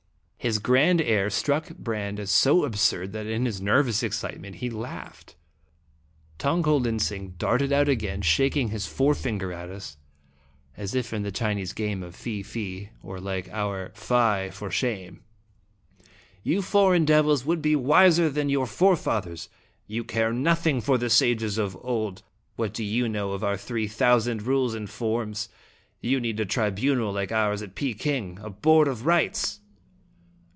" His grand air struck Brande as so absurd that in his nervous excitement he laughed. Tong lje UJramatic in iUg IDesting. 119 ko lin sing darted out again, shaking his fore finger at us, as if in the Chinese game of Fi fi, or like our " Fie ! for shame !" "You foreign devils would be wiser than your forefathers. You care nothing for the sages of old. What do you know of our three thousand rules and forms? You need a tri bunal like ours at Peking, a Board of Rites!